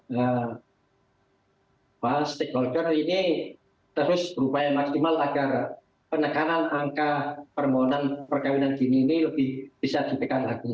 bahwa stakeholder ini terus berupaya maksimal agar penekanan angka permohonan perkawinan dini ini lebih bisa ditekan lagi